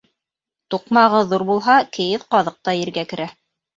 Туҡмағы ҙур булһа, кейеҙ ҡаҙыҡ та ергә керә.